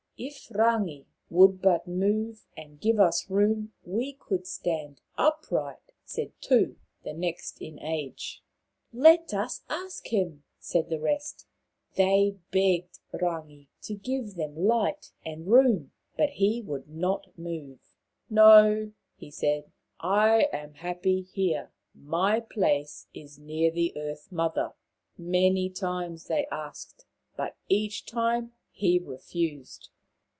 " If Rangi would but move and give us room we could stand upright," said Tu, the next in age. " Let us ask him !" said the rest. They begged Rangi to give them light and room, but he would not move. " No," he said, " I am happy here. My place is near the Earth mother." Many times they asked, but each time he re fused.